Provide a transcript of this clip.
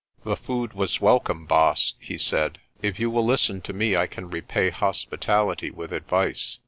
"The food was welcome, Baas," he said. "If you will listen to me I can repay hospitality with advice.